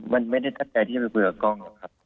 มันไม่ได้ทักใจที่จะไปคุยกับกล้อง